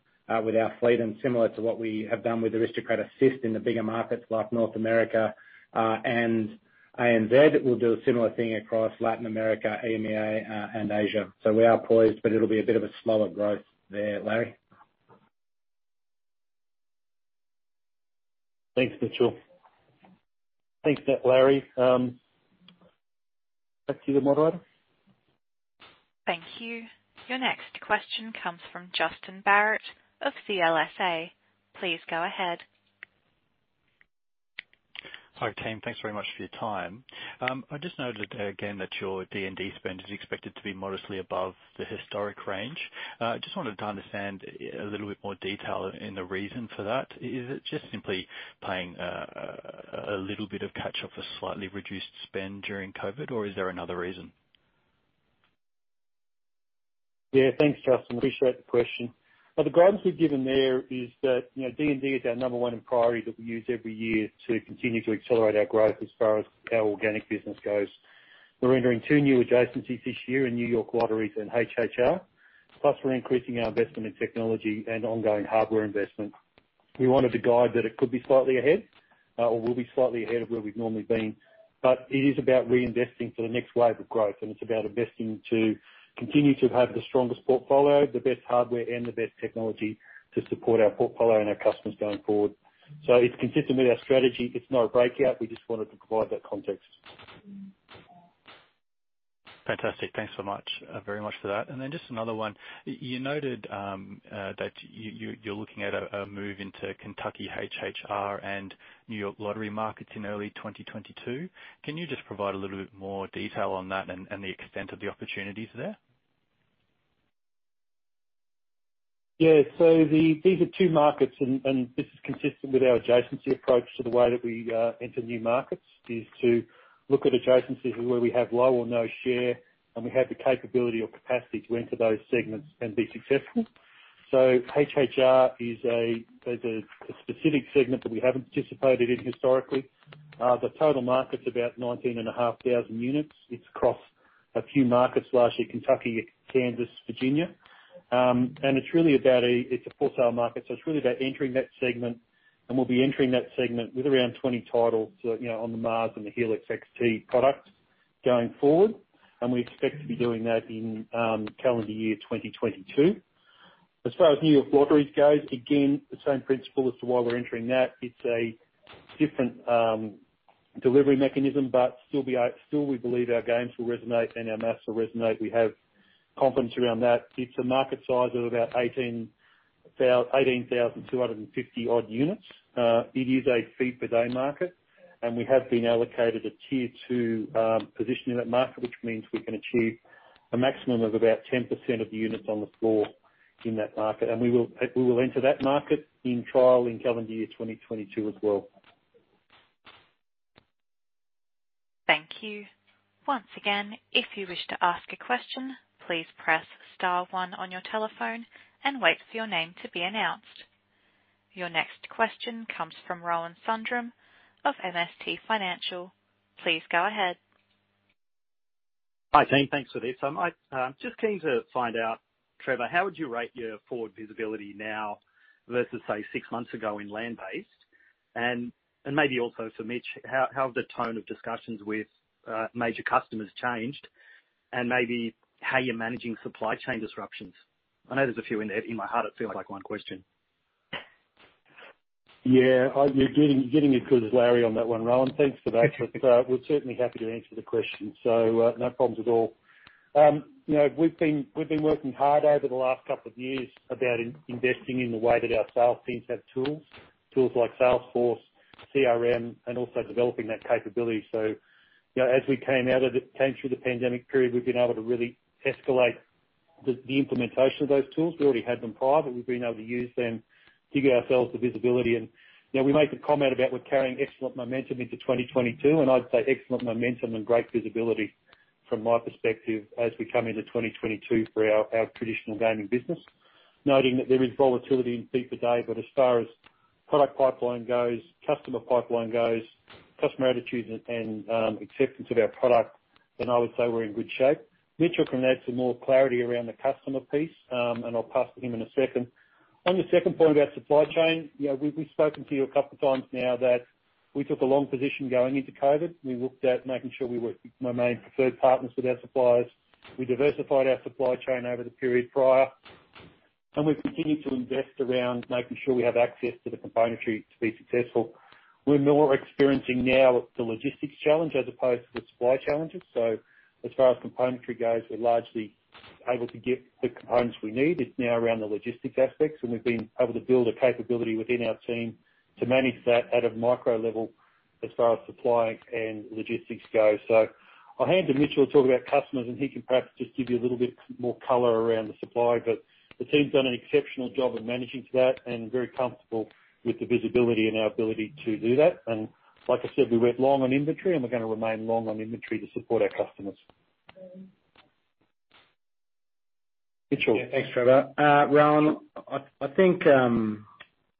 Speaker 5: with our fleet and similar to what we have done with Aristocrat Assist in the bigger markets like North America and ANZ. We'll do a similar thing across Latin America, EMEA, and Asia. We are poised, but it'll be a bit of a slower growth there, Larry.
Speaker 2: Thanks, Mitchell. Thanks, Larry. Back to the moderator.
Speaker 1: Thank you. Your next question comes from Justin Barratt of CLSA. Please go ahead.
Speaker 8: Hi, team. Thanks very much for your time. I just noted again that your D&D spend is expected to be modestly above the historic range. Just wanted to understand a little bit more detail in the reason for that. Is it just simply paying a little bit of catch up for slightly reduced spend during COVID, or is there another reason?
Speaker 2: Yeah. Thanks, Justin. Appreciate the question. Well, the guidance we've given there is that, you know, D&D is our number one priority that we use every year to continue to accelerate our growth as far as our organic business goes. We're entering two new adjacencies this year in New York Lotteries and HHR, plus we're increasing our investment in technology and ongoing hardware investment. We wanted to guide that it could be slightly ahead, or will be slightly ahead of where we've normally been. It is about reinvesting for the next wave of growth, and it's about investing to continue to have the strongest portfolio, the best hardware and the best technology to support our portfolio and our customers going forward. It's consistent with our strategy. It's not a breakout. We just wanted to provide that context.
Speaker 8: Fantastic. Thanks so much, very much for that. Just another one. You noted that you're looking at a move into Kentucky HHR and New York Lottery markets in early 2022. Can you just provide a little bit more detail on that and the extent of the opportunities there?
Speaker 2: These are two markets and this is consistent with our adjacency approach to the way that we enter new markets, is to look at adjacencies where we have low or no share, and we have the capability or capacity to enter those segments and be successful. HHR is a specific segment that we haven't participated in historically. The total market's about 19,500 units. It's across a few markets, largely Kentucky, Kansas, Virginia. It's really about a wholesale market, so it's really about entering that segment, and we'll be entering that segment with around 20 titles, you know, on the MarsX and the Helix XT products going forward. We expect to be doing that in calendar year 2022. As far as New York Lotteries goes, again, the same principle as to why we're entering that. It's a different delivery mechanism, but still we believe our games will resonate and our math will resonate. We have confidence around that. It's a market size of about 18,250 units. It is a fee per day market, and we have been allocated a tier two position in that market, which means we can achieve a maximum of about 10% of the units on the floor in that market. We will enter that market in trial in calendar year 2022 as well.
Speaker 1: Thank you. Once again, if you wish to ask a question, please press star one on your telephone and wait for your name to be announced. Your next question comes from Rohan Sundram of MST Financial. Please go ahead.
Speaker 9: Hi, team. Thanks for this. I just keen to find out, Trevor, how would you rate your forward visibility now versus, say, six months ago in land-based? Maybe also for Mitch, how have the tone of discussions with major customers changed and maybe how you're managing supply chain disruptions? I know there's a few in there. In my heart, it feels like one question.
Speaker 2: Yeah. You're getting your clues, Larry, on that one, Rohan. Thanks for that. We're certainly happy to answer the question, no problems at all. You know, we've been working hard over the last couple of years about investing in the way that our sales teams have tools. Tools like Salesforce, CRM, and also developing that capability. You know, as we came through the pandemic period, we've been able to really escalate the implementation of those tools. We already had them prior, but we've been able to use them to give ourselves the visibility. You know, we make a comment about we're carrying excellent momentum into 2022, and I'd say excellent momentum and great visibility from my perspective as we come into 2022 for our traditional gaming business. Noting that there is volatility in fee per day, but as far as product pipeline goes, customer pipeline goes, customer attitudes and acceptance of our product, then I would say we're in good shape. Mitchell can add some more clarity around the customer piece, and I'll pass to him in a second. On the second point about supply chain, we've spoken to you a couple of times now that we took a long position going into COVID. We looked at making sure we were main preferred partners with our suppliers. We diversified our supply chain over the period prior, and we've continued to invest around making sure we have access to the componentry to be successful. We're more experiencing now the logistics challenge as opposed to the supply challenges. So as far as componentry goes, we're largely able to get the components we need. It's now around the logistics aspects, and we've been able to build a capability within our team to manage that at a micro level as far as supply and logistics go. I'll hand to Mitchell to talk about customers, and he can perhaps just give you a little bit more color around the supply. The team's done an exceptional job of managing to that and very comfortable with the visibility and our ability to do that. Like I said, we went long on inventory, and we're gonna remain long on inventory to support our customers. Mitchell.
Speaker 5: Yeah. Thanks, Trevor. Rohan, I think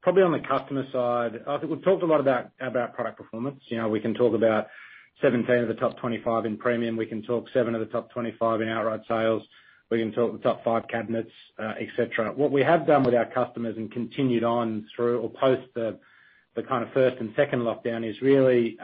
Speaker 5: probably on the customer side, I think we've talked a lot about product performance. You know, we can talk about 17 of the top 25 in premium. We can talk seven of the top 25 in outright sales. We can talk the top five cabinets, et cetera. What we have done with our customers and continued on through or post the kind of first and second lockdown is really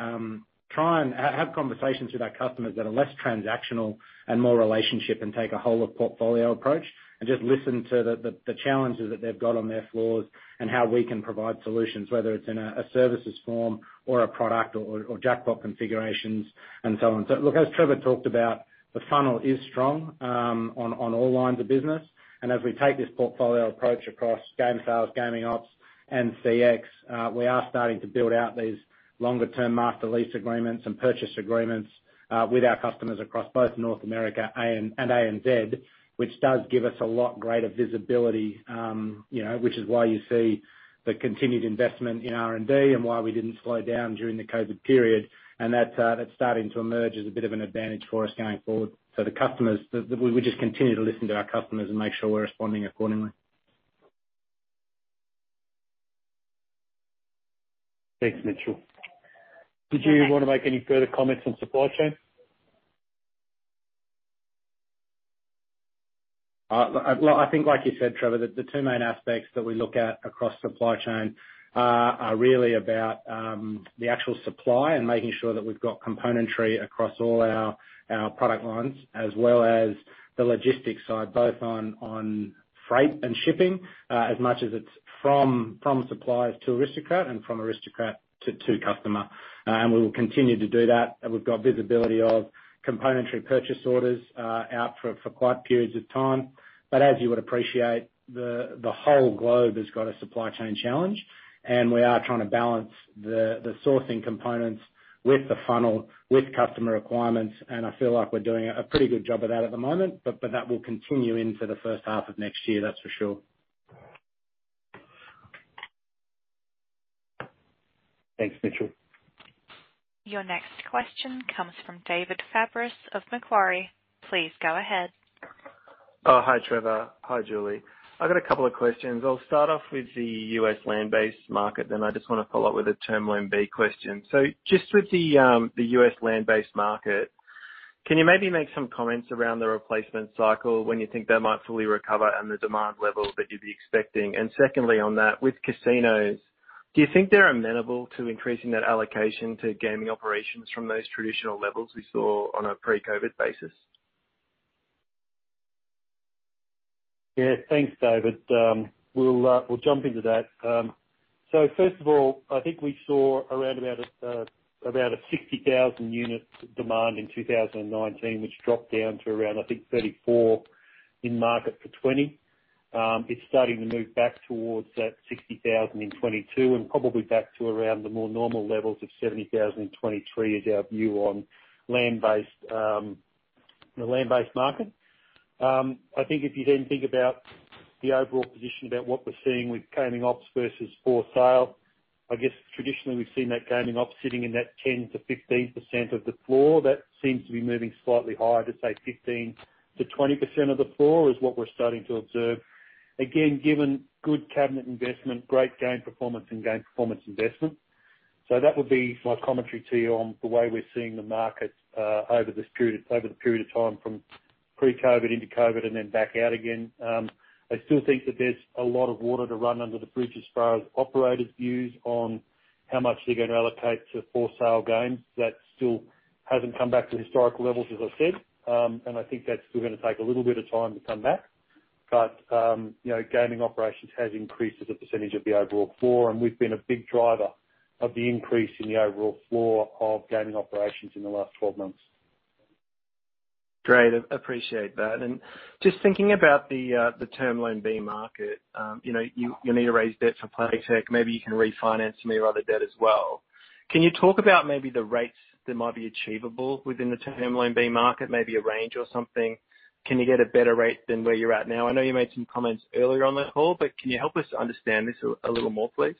Speaker 5: try and have conversations with our customers that are less transactional and more relationship, and take a whole of portfolio approach. Just listen to the challenges that they've got on their floors and how we can provide solutions, whether it's in a services form or a product or jackpot configurations and so on. Look, as Trevor talked about, the funnel is strong on all lines of business. As we take this portfolio approach across game sales, gaming ops, and CX, we are starting to build out these longer-term master lease agreements and purchase agreements with our customers across both North America and ANZ, which does give us a lot greater visibility, you know, which is why you see the continued investment in R&D and why we didn't slow down during the COVID period. That that's starting to emerge as a bit of an advantage for us going forward. The customers we would just continue to listen to our customers and make sure we're responding accordingly.
Speaker 2: Thanks, Mitchell. Did you wanna make any further comments on supply chain?
Speaker 5: Look, I think like you said, Trevor, the two main aspects that we look at across supply chain are really about the actual supply and making sure that we've got componentry across all our product lines, as well as the logistics side, both on freight and shipping, as much as it's from suppliers to Aristocrat and from Aristocrat to customer. We will continue to do that. We've got visibility of componentry purchase orders out for long periods of time. As you would appreciate, the whole globe has got a supply chain challenge, and we are trying to balance the sourcing components with the demand, with customer requirements, and I feel like we're doing a pretty good job of that at the moment. That will continue into the first half of next year, that's for sure.
Speaker 2: Thanks, Mitchell.
Speaker 1: Your next question comes from David Fabris of Macquarie. Please go ahead.
Speaker 10: Hi, Trevor. Hi, Julie. I've got a couple of questions. I'll start off with the U.S. land-based market, then I just wanna follow up with a Term Loan B question. Just with the U.S. land-based market, can you maybe make some comments around the replacement cycle when you think that might fully recover and the demand level that you'd be expecting? Secondly, on that, with casinos, do you think they're amenable to increasing that allocation to gaming operations from those traditional levels we saw on a pre-COVID basis?
Speaker 2: Yeah. Thanks, David. We'll jump into that. First of all, I think we saw around about a 60,000 unit demand in 2019, which dropped down to around, I think 34,000 in market for 2020. It's starting to move back towards that 60,000 in 2022, and probably back to around the more normal levels of 70,000 in 2023, is our view on land-based the land-based market. I think if you then think about the overall position about what we're seeing with gaming ops versus for sale, I guess traditionally we've seen that gaming op sitting in that 10%-15% of the floor. That seems to be moving slightly higher to, say, 15%-20% of the floor is what we're starting to observe, again, given good cabinet investment, great game performance, and game performance investment. That would be my commentary to you on the way we're seeing the market over this period, over the period of time from pre-COVID into COVID and then back out again. I still think that there's a lot of water to run under the bridge as far as operators' views on how much they're gonna allocate to for sale games. That still hasn't come back to historical levels, as I said. I think that's still gonna take a little bit of time to come back. You know, gaming operations has increased as a percentage of the overall floor, and we've been a big driver of the increase in the overall floor of gaming operations in the last 12 months.
Speaker 10: Great. Appreciate that. Just thinking about the Term Loan B market, you know, you need to raise debt for Playtech. Maybe you can refinance some of your other debt as well. Can you talk about maybe the rates that might be achievable within the Term Loan B market, maybe a range or something? Can you get a better rate than where you're at now? I know you made some comments earlier on that call, but can you help us understand this a little more, please?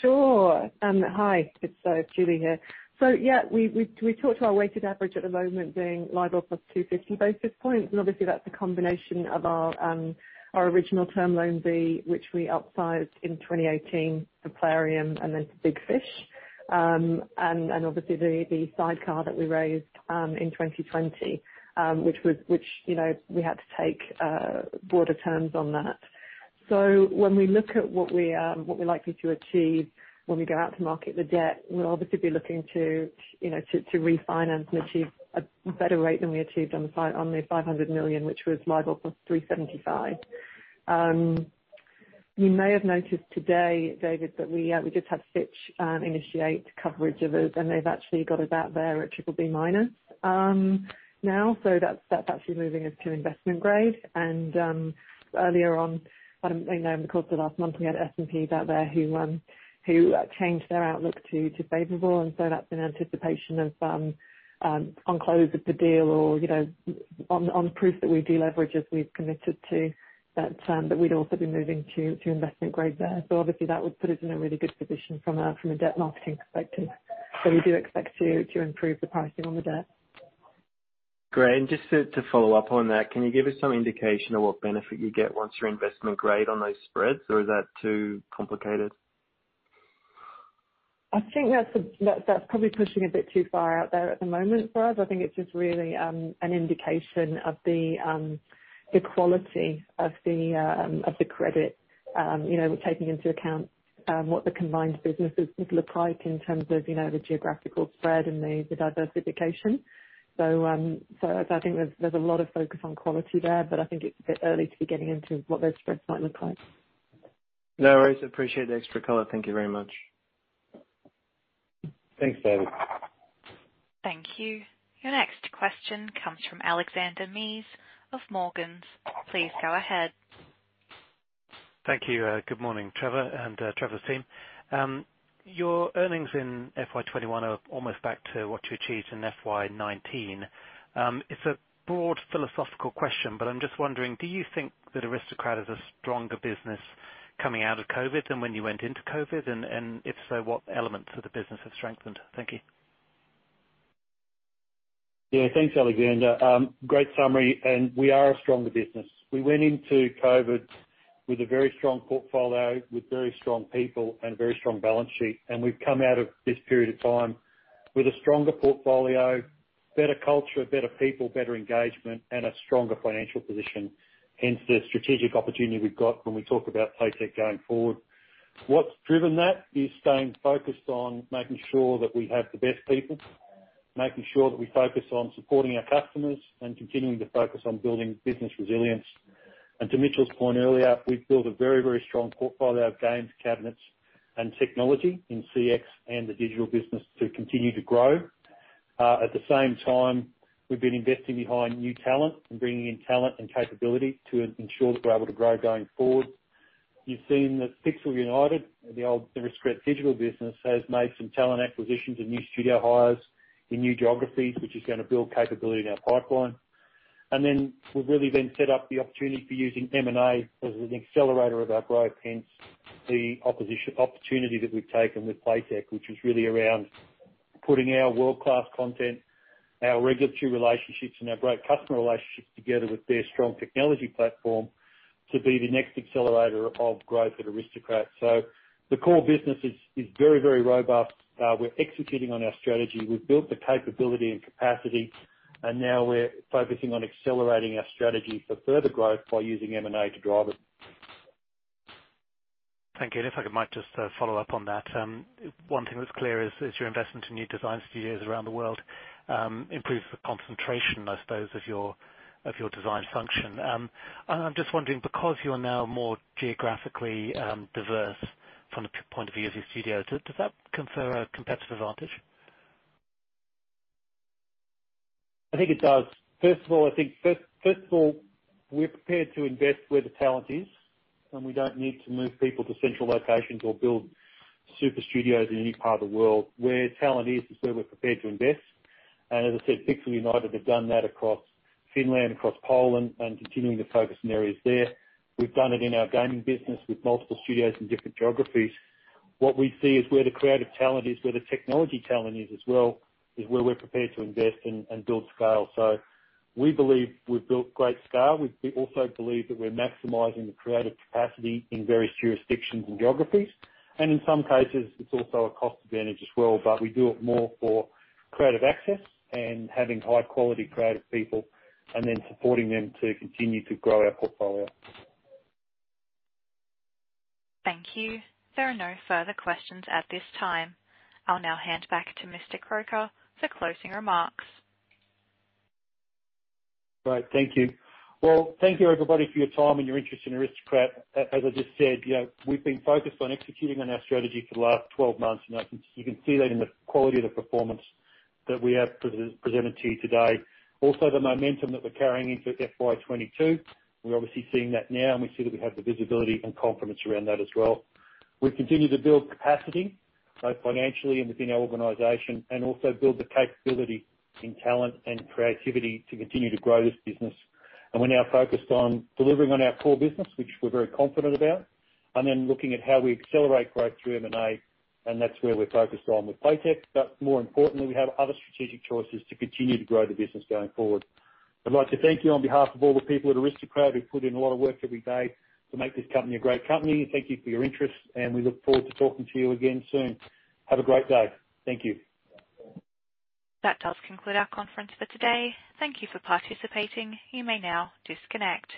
Speaker 3: Sure. Hi. It's Julie here. Yeah, we talked about our weighted average at the moment being LIBOR plus 250 basis points, and obviously that's a combination of our original Term Loan B, which we upsized in 2018 to Plarium and then to Big Fish. And obviously the sidecar that we raised in 2020, which you know, we had to take broader terms on that. When we look at what we're likely to achieve when we go out to market the debt, we'll obviously be looking to you know, to refinance and achieve a better rate than we achieved on the $500 million, which was LIBOR plus 375. You may have noticed today, David, that we just had Fitch initiate coverage of us, and they've actually got us out there at BBB- now. That's actually moving us to investment grade. Earlier on, kind of, you know, in the course of last month, we had S&P out there who changed their outlook to favorable. That's in anticipation of on close of the deal or, you know, on proof that we deleverage as we've committed to, that we'd also be moving to investment grade there. Obviously that would put us in a really good position from a debt marketing perspective. We do expect to improve the pricing on the debt.
Speaker 10: Great. Just to follow up on that, can you give us some indication of what benefit you get once you're investment grade on those spreads, or is that too complicated?
Speaker 3: I think that's probably pushing a bit too far out there at the moment for us. I think it's just really an indication of the quality of the credit. You know, taking into account what the combined businesses look like in terms of the geographical spread and the diversification. I think there's a lot of focus on quality there, but I think it's a bit early to be getting into what those spreads might look like.
Speaker 10: No worries. Appreciate the extra color. Thank you very much.
Speaker 2: Thanks, David.
Speaker 1: Thank you. Your next question comes from Alexander Mees of Morgans. Please go ahead.
Speaker 11: Thank you. Good morning, Trevor and Trevor's team. Your earnings in FY 2021 are almost back to what you achieved in FY 2019. It's a broad philosophical question, but I'm just wondering, do you think that Aristocrat is a stronger business coming out of COVID than when you went into COVID? If so, what elements of the business have strengthened? Thank you.
Speaker 2: Yeah. Thanks, Alexander. Great summary, and we are a stronger business. We went into COVID with a very strong portfolio, with very strong people, and a very strong balance sheet. We've come out of this period of time with a stronger portfolio, better culture, better people, better engagement, and a stronger financial position, hence the strategic opportunity we've got when we talk about Playtech going forward. What's driven that is staying focused on making sure that we have the best people, making sure that we focus on supporting our customers, and continuing to focus on building business resilience. To Mitchell's point earlier, we've built a very, very strong portfolio of games, cabinets, and technology in CX and the digital business to continue to grow. At the same time, we've been investing behind new talent and bringing in talent and capability to ensure that we're able to grow going forward. You've seen that Pixel United, the old Aristocrat Digital business, has made some talent acquisitions and new studio hires in new geographies, which is gonna build capability in our pipeline. We've really set up the opportunity for using M&A as an accelerator of our growth, hence the opportunity that we've taken with Playtech, which was really around putting our world-class content, our regulatory relationships, and our great customer relationships together with their strong technology platform to be the next accelerator of growth at Aristocrat. The core business is very, very robust. We're executing on our strategy. We've built the capability and capacity, and now we're focusing on accelerating our strategy for further growth by using M&A to drive it.
Speaker 11: Thank you. If I could just follow up on that. One thing that's clear is your investment in new design studios around the world improves the concentration, I suppose, of your design function. I'm just wondering because you are now more geographically diverse from the point of view of your studios, does that confer a competitive advantage?
Speaker 2: I think it does. First of all, we're prepared to invest where the talent is, and we don't need to move people to central locations or build super studios in any part of the world. Where talent is where we're prepared to invest. As I said, Pixel United have done that across Finland, across Poland, and continuing to focus in areas there. We've done it in our gaming business with multiple studios in different geographies. What we see is where the creative talent is, where the technology talent is as well, is where we're prepared to invest and build scale. We believe we've built great scale. We also believe that we're maximizing the creative capacity in various jurisdictions and geographies. In some cases, it's also a cost advantage as well. We do it more for creative access and having high-quality creative people, and then supporting them to continue to grow our portfolio.
Speaker 1: Thank you. There are no further questions at this time. I'll now hand back to Mr. Croker for closing remarks.
Speaker 2: Great, thank you. Well, thank you, everybody, for your time and your interest in Aristocrat. As I just said, you know, we've been focused on executing on our strategy for the last 12 months now. You can see that in the quality of the performance that we have presented to you today. Also, the momentum that we're carrying into FY 2022, we're obviously seeing that now, and we see that we have the visibility and confidence around that as well. We've continued to build capacity, both financially and within our organization, and also build the capability in talent and creativity to continue to grow this business. We're now focused on delivering on our core business, which we're very confident about, and then looking at how we accelerate growth through M&A, and that's where we're focused on with Playtech. More importantly, we have other strategic choices to continue to grow the business going forward. I'd like to thank you on behalf of all the people at Aristocrat who put in a lot of work every day to make this company a great company. Thank you for your interest, and we look forward to talking to you again soon. Have a great day. Thank you.
Speaker 1: That does conclude our conference for today. Thank you for participating. You may now disconnect.